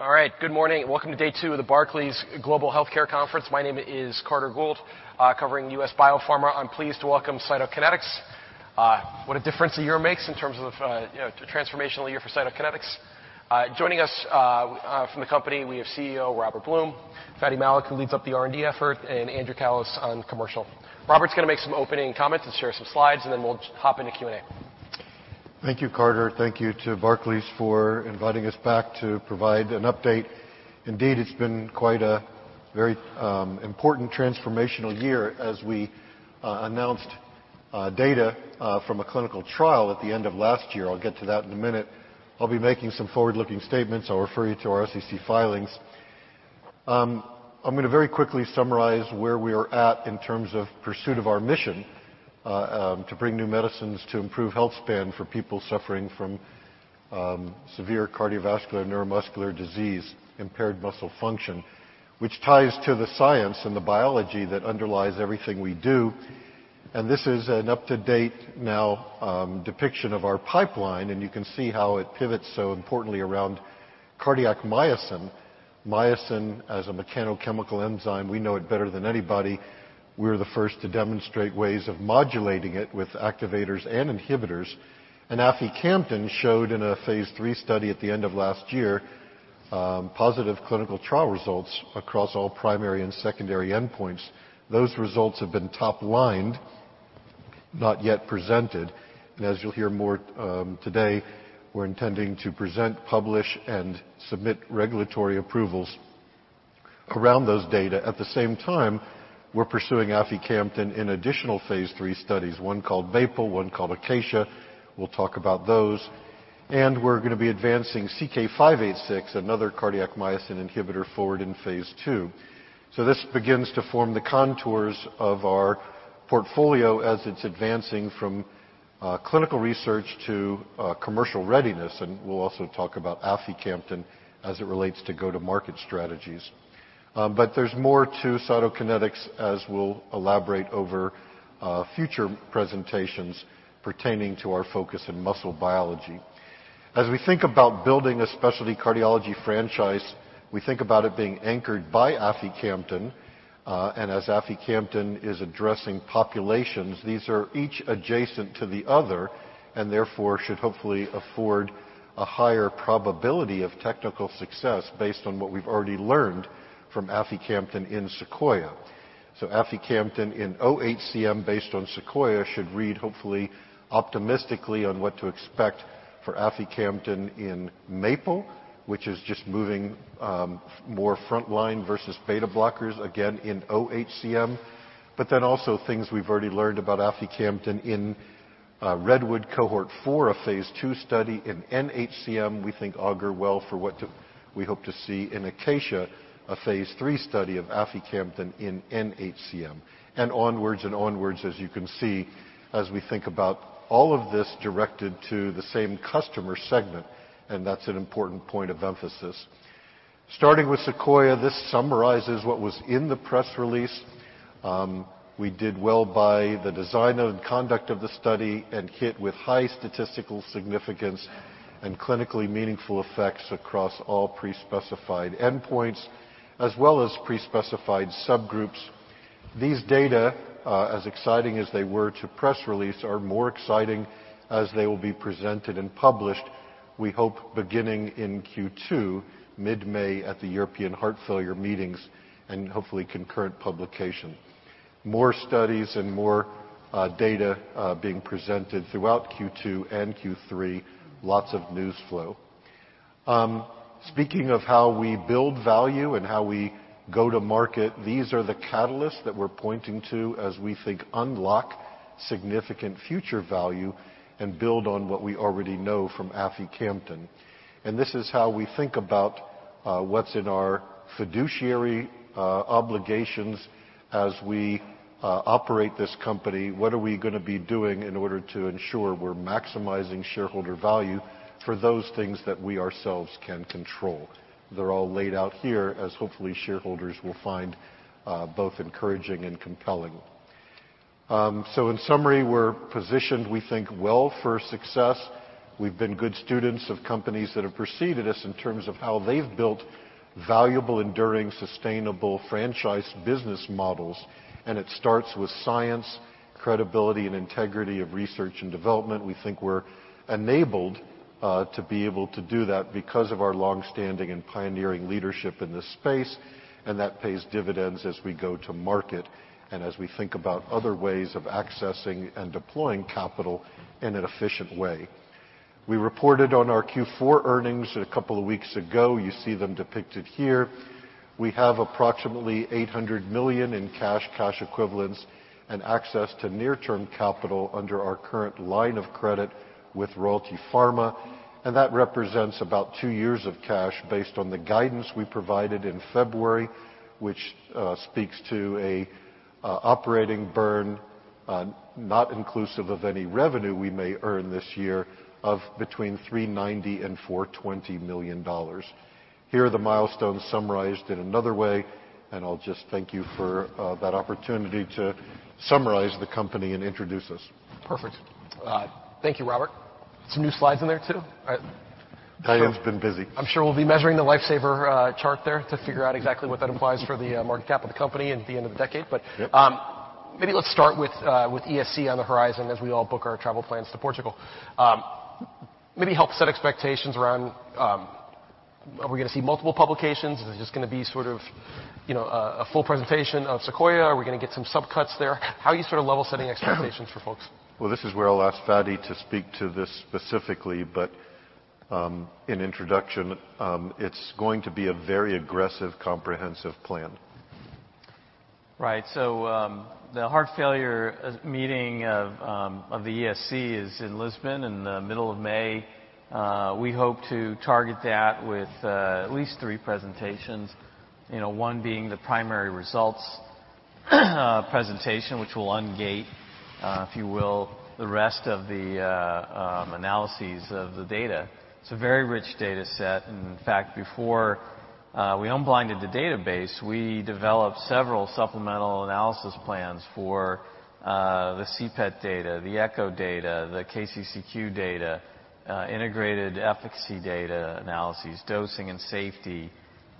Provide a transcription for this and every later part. All right, good morning. Welcome to day two of the Barclays Global Healthcare Conference. My name is Carter Gould, covering U.S. biopharma. I'm pleased to welcome Cytokinetics, what a difference a year makes in terms of, you know, transformational year for Cytokinetics. Joining us, from the company, we have CEO Robert Blum, Fady Malik who leads up the R&D effort, and Andrew Callos on commercial. Robert's gonna make some opening comments and share some slides, and then we'll hop into Q&A. Thank you, Carter. Thank you to Barclays for inviting us back to provide an update. Indeed, it's been quite a very important transformational year as we announced data from a clinical trial at the end of last year. I'll get to that in a minute. I'll be making some forward-looking statements. I'll refer you to our SEC filings. I'm gonna very quickly summarize where we are at in terms of pursuit of our mission, to bring new medicines to improve health span for people suffering from severe cardiovascular, neuromuscular disease, impaired muscle function, which ties to the science and the biology that underlies everything we do. This is an up-to-date now depiction of our pipeline, and you can see how it pivots so importantly around cardiac myosin. Myosin as a mechanochemical enzyme, we know it better than anybody. We're the first to demonstrate ways of modulating it with activators and inhibitors. Aficamten showed in a phase III study at the end of last year positive clinical trial results across all primary and secondary endpoints. Those results have been toplined, not yet presented. As you'll hear more today, we're intending to present, publish, and submit regulatory approvals around those data. At the same time, we're pursuing aficamten in additional phase III studies, one called MAPLE, one called ACACIA. We'll talk about those. We're gonna be advancing CK-586, another cardiac myosin inhibitor, forward in phase II. This begins to form the contours of our portfolio as it's advancing from clinical research to commercial readiness. We'll also talk about aficamten as it relates to go-to-market strategies. but there's more to Cytokinetics as we'll elaborate over future presentations pertaining to our focus in muscle biology. As we think about building a specialty cardiology franchise, we think about it being anchored by aficamten. And as aficamten is addressing populations, these are each adjacent to the other and therefore should hopefully afford a higher probability of technical success based on what we've already learned from aficamten in SEQUOIA. So aficamten in oHCM based on SEQUOIA should read hopefully optimistically on what to expect for aficamten in MAPLE, which is just moving more frontline versus beta blockers, again, in oHCM. But then also things we've already learned about aficamten in REDWOOD cohort four, a phase II study in nHCM. We think augur well for what we hope to see in ACACIA, a phase III study of aficamten in nHCM. Onwards and onwards as you can see as we think about all of this directed to the same customer segment, and that's an important point of emphasis. Starting with SEQUOIA, this summarizes what was in the press release. We did well by the design and conduct of the study and hit with high statistical significance and clinically meaningful effects across all prespecified endpoints as well as prespecified subgroups. These data, as exciting as they were to press release, are more exciting as they will be presented and published, we hope, beginning in Q2, mid-May at the European Heart Failure Meetings, and hopefully concurrent publication. More studies and more data being presented throughout Q2 and Q3, lots of news flow. Speaking of how we build value and how we go-to-market, these are the catalysts that we're pointing to as we think unlock significant future value and build on what we already know from aficamten. And this is how we think about what's in our fiduciary obligations as we operate this company. What are we gonna be doing in order to ensure we're maximizing shareholder value for those things that we ourselves can control? They're all laid out here as hopefully shareholders will find both encouraging and compelling. So in summary, we're positioned, we think, well for success. We've been good students of companies that have preceded us in terms of how they've built valuable, enduring, sustainable franchise business models. And it starts with science, credibility, and integrity of research and development. We think we're enabled to be able to do that because of our longstanding and pioneering leadership in this space, and that pays dividends as we go to market and as we think about other ways of accessing and deploying capital in an efficient way. We reported on our Q4 earnings a couple of weeks ago. You see them depicted here. We have approximately $800 million in cash, cash equivalents, and access to near-term capital under our current line of credit with Royalty Pharma. That represents about two years of cash based on the guidance we provided in February, which speaks to an operating burn, not inclusive of any revenue we may earn this year, of between $390 million-$420 million. Here are the milestones summarized in another way. I'll just thank you for that opportunity to summarize the company and introduce us. Perfect. Thank you, Robert. Some new slides in there too, right? Diane's been busy. I'm sure we'll be measuring the Lifesaver chart there to figure out exactly what that implies for the market cap of the company at the end of the decade. Maybe let's start with ESC on the horizon as we all book our travel plans to Portugal. Maybe help set expectations around, are we gonna see multiple publications? Is it just gonna be sort of, you know, a full presentation of SEQUOIA? Are we gonna get some subcuts there? How are you sort of level-setting expectations for folks? Well, this is where I'll ask Fady to speak to this specifically, but in introduction, it's going to be a very aggressive, comprehensive plan. Right. So, the Heart Failure meeting of the ESC is in Lisbon in the middle of May. We hope to target that with at least three presentations, you know, one being the primary results presentation, which will ungate, if you will, the rest of the analyses of the data. It's a very rich data set. In fact, before we unblinded the database, we developed several supplemental analysis plans for the CPET data, the echo data, the KCCQ data, integrated efficacy data analyses, dosing and safety,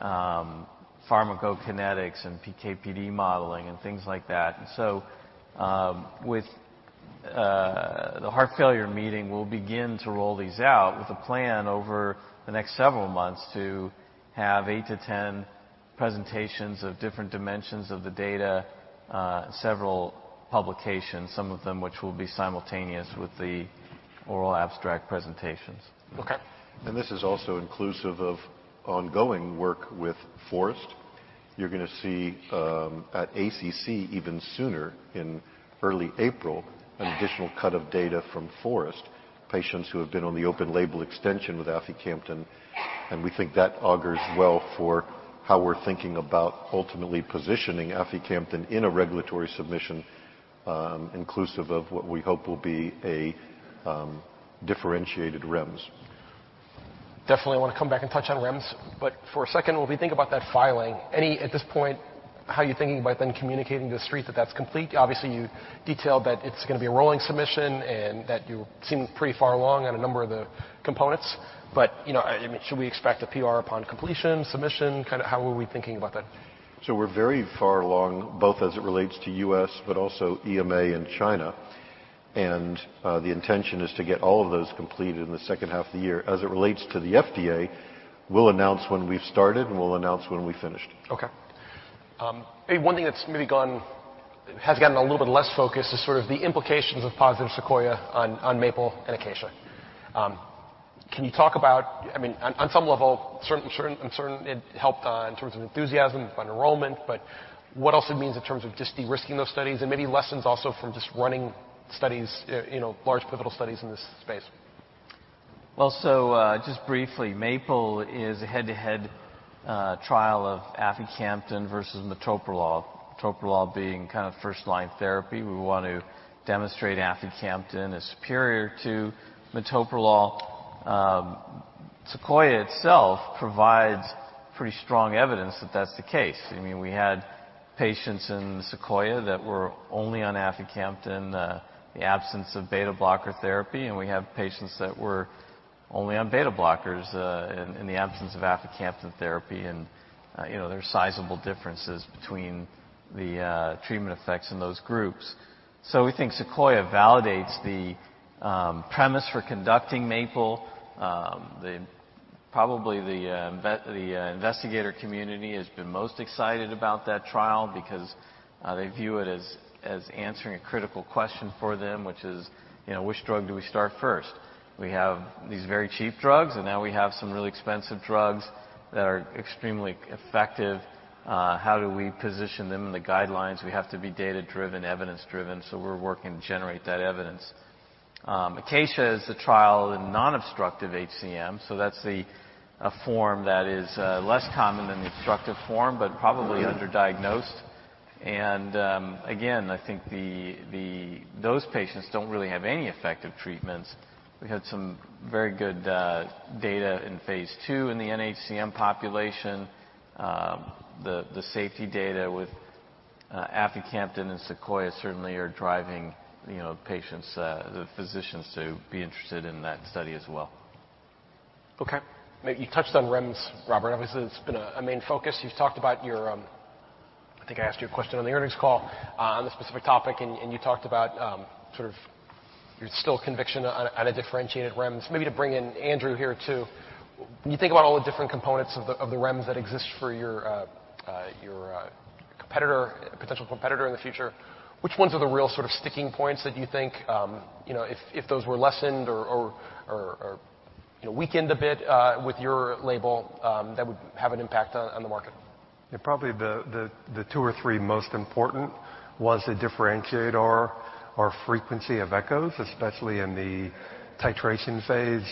pharmacokinetics and PK/PD modeling, and things like that. So, with the Heart Failure meeting, we'll begin to roll these out with a plan over the next several months to have eight to 10 presentations of different dimensions of the data, several publications, some of them which will be simultaneous with the oral abstract presentations. Okay. And this is also inclusive of ongoing work with FOREST. You're gonna see, at ACC even sooner in early April, an additional cut of data from FOREST, patients who have been on the open-label extension with aficamten. And we think that augurs well for how we're thinking about ultimately positioning aficamten in a regulatory submission, inclusive of what we hope will be a, differentiated REMS. Definitely wanna come back and touch on REMS. But for a second, when we think about that filing, any at this point, how are you thinking about then communicating to the street that that's complete? Obviously, you detailed that it's gonna be a rolling submission and that you seem pretty far along on a number of the components. But, you know, I, I mean, should we expect a PR upon completion, submission? Kinda how are we thinking about that? We're very far along both as it relates to U.S. but also EMA and China. The intention is to get all of those completed in the second half of the year. As it relates to the FDA, we'll announce when we've started and we'll announce when we finished. Okay. Hey, one thing that's maybe gone has gotten a little bit less focused is sort of the implications of positive SEQUOIA on MAPLE and ACACIA. Can you talk about? I mean, on some level, certain I'm certain it helped, in terms of enthusiasm about enrollment. But what else it means in terms of just de-risking those studies and maybe lessons also from just running studies, you know, large pivotal studies in this space? Well, so, just briefly, MAPLE-HCM is a head-to-head trial of aficamten versus metoprolol, metoprolol being kind of first-line therapy. We wanna demonstrate aficamten is superior to metoprolol. SEQUOIA-HCM itself provides pretty strong evidence that that's the case. I mean, we had patients in SEQUOIA-HCM that were only on aficamten, in the absence of beta blocker therapy. And we have patients that were only on beta blockers, in the absence of aficamten therapy. And, you know, there's sizable differences between the treatment effects in those groups. So we think SEQUOIA-HCM validates the premise for conducting MAPLE-HCM. The investigator community has been most excited about that trial because they view it as answering a critical question for them, which is, you know, which drug do we start first? We have these very cheap drugs, and now we have some really expensive drugs that are extremely effective. How do we position them in the guidelines? We have to be data-driven, evidence-driven. So we're working to generate that evidence. ACACIA is the trial in non-obstructive HCM. So that's the form that is less common than the obstructive form but probably underdiagnosed. And, again, I think those patients don't really have any effective treatments. We had some very good data in phase II in the nHCM population. The safety data with aficamten and SEQUOIA certainly are driving, you know, patients, the physicians to be interested in that study as well. Okay. Maybe you touched on REMS, Robert. Obviously, it's been a main focus. You've talked about your, I think I asked you a question on the earnings call, on this specific topic. And you talked about, sort of your strong conviction on a differentiated REMS. Maybe to bring in Andrew here too. When you think about all the different components of the REMS that exist for your, your, competitor, potential competitor in the future, which ones are the real sort of sticking points that you think, you know, if those were lessened or, you know, weakened a bit, with your label, that would have an impact on the market? Yeah. Probably the two or three most important was the differentiator, our frequency of echoes, especially in the titration phase,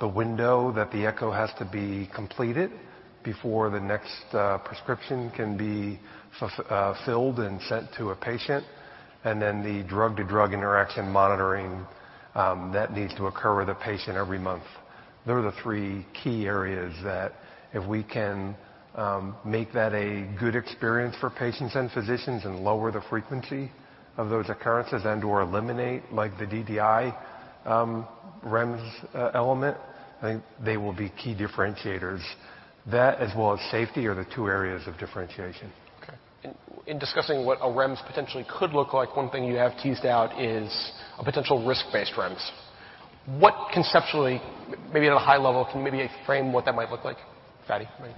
the window that the echo has to be completed before the next prescription can be filled and sent to a patient. And then the drug-to-drug interaction monitoring that needs to occur with a patient every month. Those are the three key areas that if we can make that a good experience for patients and physicians and lower the frequency of those occurrences and/or eliminate, like, the DDI, REMS, element, I think they will be key differentiators, that as well as safety are the two areas of differentiation. Okay. In discussing what a REMS potentially could look like, one thing you have teased out is a potential risk-based REMS. What conceptually maybe at a high level, can you maybe frame what that might look like? Fady, right?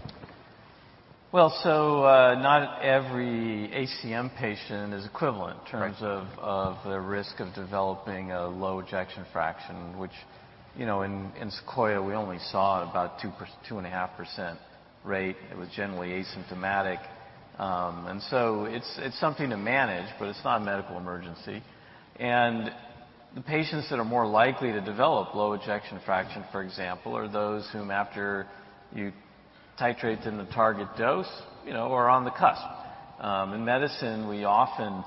Well, so, not every HCM patient is equivalent in terms of of the risk of developing a low ejection fraction, which, you know, in SEQUOIA, we only saw about 2%-2.5% rate. It was generally asymptomatic, and so it's something to manage, but it's not a medical emergency. The patients that are more likely to develop low ejection fraction, for example, are those whom after you titrate them to target dose, you know, are on the cusp. In medicine, we often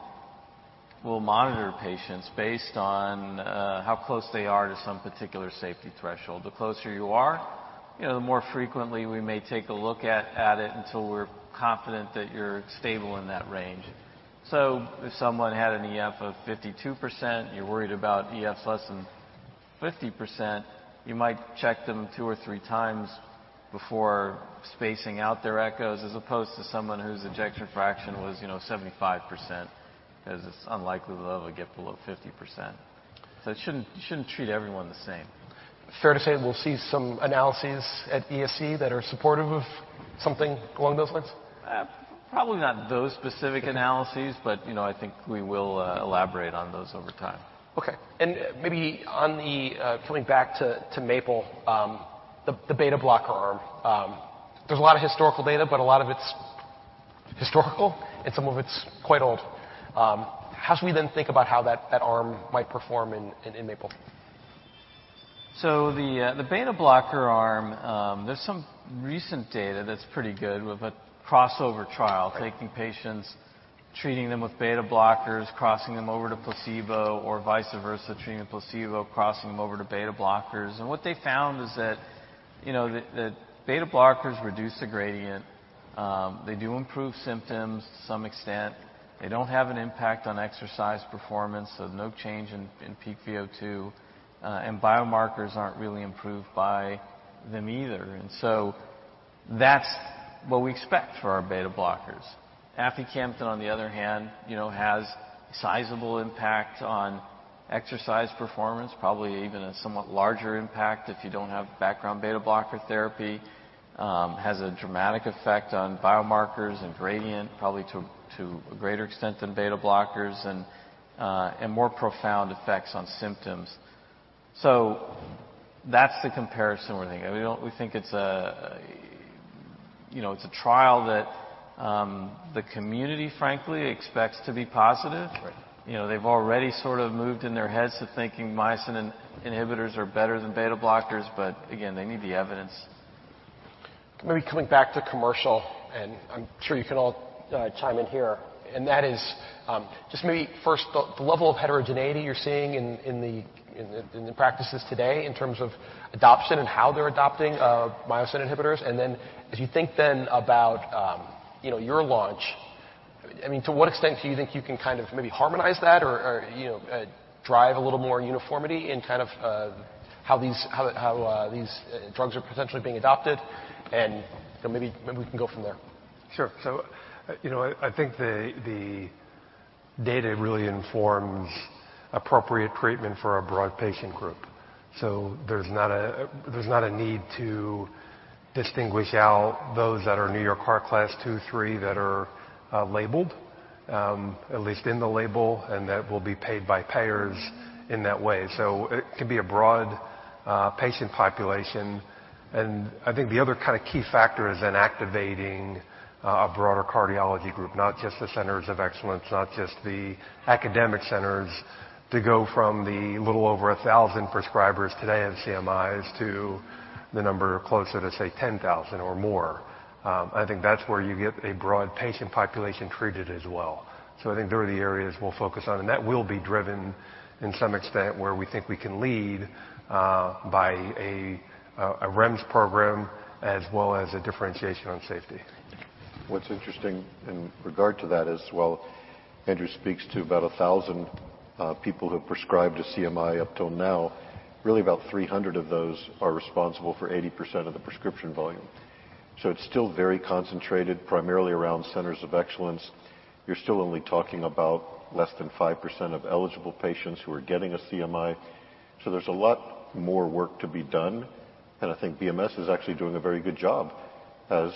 will monitor patients based on how close they are to some particular safety threshold. The closer you are, you know, the more frequently we may take a look at it until we're confident that you're stable in that range. If someone had an EF of 52%, you're worried about EFs less than 50%, you might check them two or three times before spacing out their echoes as opposed to someone whose ejection fraction was, you know, 75% because it's unlikely they'll ever get below 50%. So you shouldn't treat everyone the same. Fair to say we'll see some analyses at ESC that are supportive of something along those lines? probably not those specific analyses, but you know, I think we will elaborate on those over time. Okay. And maybe, coming back to MAPLE-HCM, the beta blocker arm, there's a lot of historical data, but a lot of it's historical, and some of it's quite old. How should we then think about how that arm might perform in MAPLE-HCM? So the beta blocker arm, there's some recent data that's pretty good with a crossover trial, taking patients, treating them with beta blockers, crossing them over to placebo, or vice versa, treating them with placebo, crossing them over to beta blockers. And what they found is that, you know, the beta blockers reduce the gradient. They do improve symptoms to some extent. They don't have an impact on exercise performance, so no change in peak VO2. And biomarkers aren't really improved by them either. And so that's what we expect for our beta blockers. Aficamten, on the other hand, you know, has sizable impact on exercise performance, probably even a somewhat larger impact if you don't have background beta blocker therapy. Has a dramatic effect on biomarkers and gradient, probably to a greater extent than beta blockers, and more profound effects on symptoms. So that's the comparison we're thinking. We don't think it's a, you know, it's a trial that the community, frankly, expects to be positive. Right. You know, they've already sort of moved in their heads to thinking myosin inhibitors are better than beta blockers, but again, they need the evidence. Maybe coming back to commercial, and I'm sure you can all chime in here. And that is, just maybe first, the level of heterogeneity you're seeing in the practices today in terms of adoption and how they're adopting myosin inhibitors. And then as you think about, you know, your launch, I mean, to what extent do you think you can kind of maybe harmonize that or, you know, drive a little more uniformity in kind of how these drugs are potentially being adopted? And, you know, maybe we can go from there. Sure. So, you know, I think the data really informs appropriate treatment for a broad patient group. So there's not a need to distinguish out those that are New York Heart Association Class II, III that are labeled, at least in the label, and that will be paid by payers in that way. So it can be a broad patient population. And I think the other kind of key factor is then activating a broader cardiology group, not just the centers of excellence, not just the academic centers, to go from the little over 1,000 prescribers today of CMIs to the number closer to, say, 10,000 or more. I think that's where you get a broad patient population treated as well. So I think those are the areas we'll focus on. That will be driven to some extent where we think we can lead, by a REMS program as well as a differentiation on safety. What's interesting in regard to that is, well, Andrew speaks to about 1,000 people who have prescribed a CMI up till now. Really, about 300 of those are responsible for 80% of the prescription volume. So it's still very concentrated, primarily around centers of excellence. You're still only talking about less than 5% of eligible patients who are getting a CMI. So there's a lot more work to be done. And I think BMS is actually doing a very good job as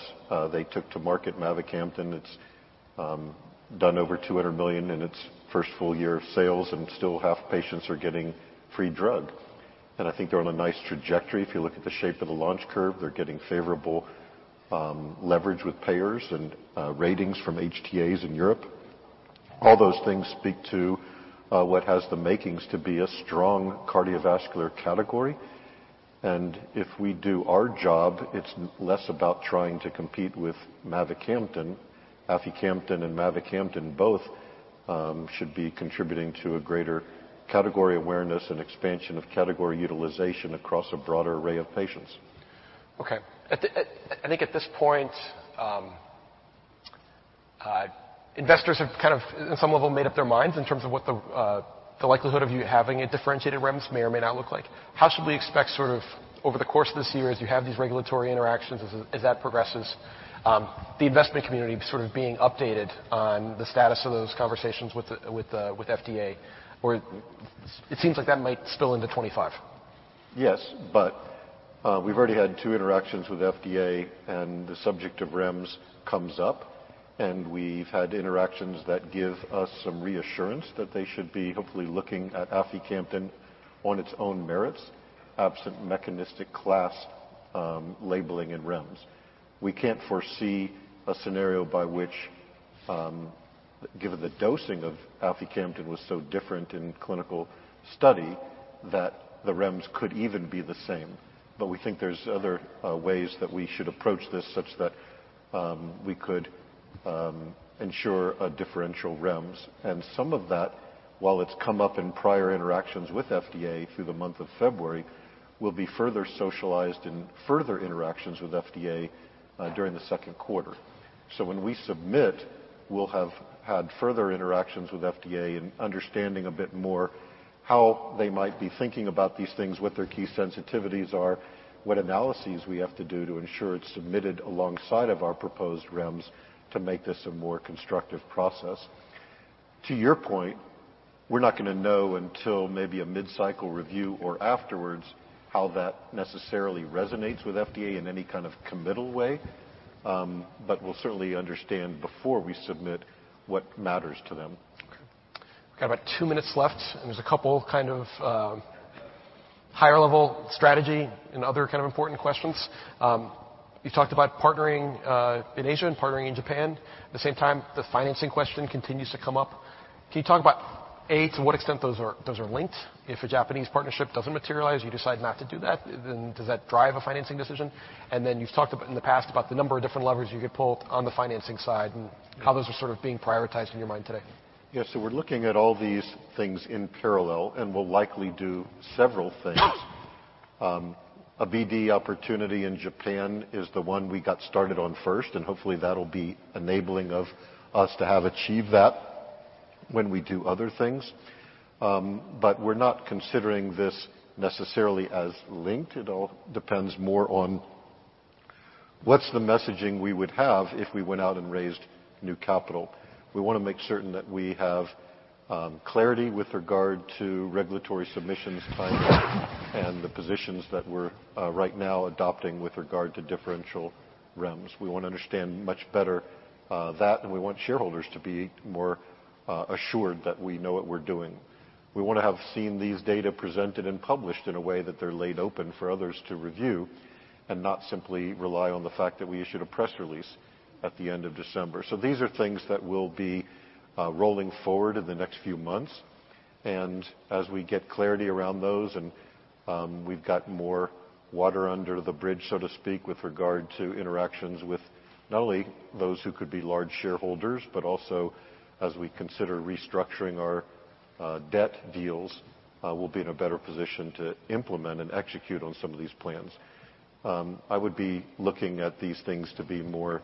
they took to market mavacamten. It's done over $200 million in its first full year of sales, and still half patients are getting free drug. And I think they're on a nice trajectory. If you look at the shape of the launch curve, they're getting favorable leverage with payers and ratings from HTAs in Europe. All those things speak to what has the makings to be a strong cardiovascular category. And if we do our job, it's less about trying to compete with mavacamten. Aficamten and mavacamten both should be contributing to a greater category awareness and expansion of category utilization across a broader array of patients. Okay. At this point, I think investors have kind of, in some level, made up their minds in terms of what the likelihood of you having a differentiated REMS may or may not look like. How should we expect sort of over the course of this year as you have these regulatory interactions, as that progresses, the investment community sort of being updated on the status of those conversations with the FDA? Or it seems like that might spill into 2025. Yes. But we've already had two interactions with FDA, and the subject of REMS comes up. And we've had interactions that give us some reassurance that they should be hopefully looking at aficamten on its own merits, absent mechanistic class, labeling in REMS. We can't foresee a scenario by which, given the dosing of aficamten was so different in clinical study that the REMS could even be the same. But we think there's other ways that we should approach this such that we could ensure a differential REMS. And some of that, while it's come up in prior interactions with FDA through the month of February, will be further socialized in further interactions with FDA during the second quarter. So when we submit, we'll have had further interactions with FDA in understanding a bit more how they might be thinking about these things, what their key sensitivities are, what analyses we have to do to ensure it's submitted alongside of our proposed REMS to make this a more constructive process. To your point, we're not gonna know until maybe a mid-cycle review or afterwards how that necessarily resonates with FDA in any kind of committal way, but we'll certainly understand before we submit what matters to them. Okay. We've got about two minutes left, and there's a couple kind of higher-level strategy and other kind of important questions. You've talked about partnering in Asia and partnering in Japan. At the same time, the financing question continues to come up. Can you talk about, A, to what extent those are linked? If a Japanese partnership doesn't materialize, you decide not to do that, then does that drive a financing decision? And then you've talked about in the past about the number of different levers you could pull on the financing side and how those are sort of being prioritized in your mind today. Yeah. So we're looking at all these things in parallel and will likely do several things. A BD opportunity in Japan is the one we got started on first, and hopefully, that'll be enabling of us to have achieved that when we do other things. But we're not considering this necessarily as linked. It all depends more on what's the messaging we would have if we went out and raised new capital. We wanna make certain that we have clarity with regard to regulatory submissions timelines and the positions that we're right now adopting with regard to differential REMS. We wanna understand much better that, and we want shareholders to be more assured that we know what we're doing. We wanna have seen these data presented and published in a way that they're laid open for others to review and not simply rely on the fact that we issued a press release at the end of December. These are things that will be rolling forward in the next few months. As we get clarity around those and we've got more water under the bridge, so to speak, with regard to interactions with not only those who could be large shareholders, but also as we consider restructuring our debt deals, we'll be in a better position to implement and execute on some of these plans. I would be looking at these things to be more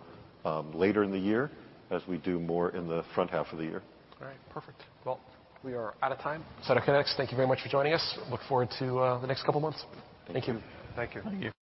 later in the year as we do more in the front half of the year. All right. Perfect. Well, we are out of time. Cytokinetics, thank you very much for joining us. Look forward to the next couple months. Thank you. Thank you. Thank you.